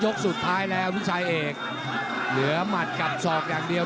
สุดท้ายแล้วผู้ชายเอกเหลือหมัดกับศอกอย่างเดียว